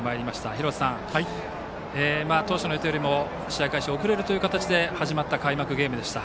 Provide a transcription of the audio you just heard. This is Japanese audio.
廣瀬さん、当初の予定より試合開始が遅れる形で始まった開幕ゲームでした。